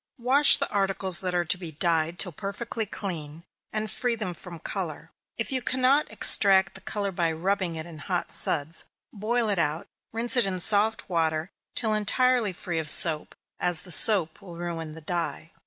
Wash the articles that are to be dyed till perfectly clean, and free from color. If you cannot extract the color by rubbing it in hot suds, boil it out rinse it in soft water, till entirely free from soap, as the soap will ruin the dye.